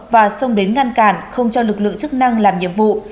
và xông đến ngăn cản không cho lực lượng chức năng làm nhiệm vụ